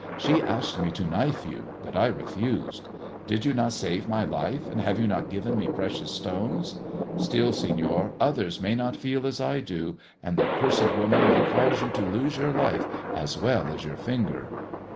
She asked me to knife you, but I refused. Did you not save my life, and have you not given me precious stones ? Still, Senor, others may not feel as I do, and the cursed woman may cause you to lose your life as well as your finger."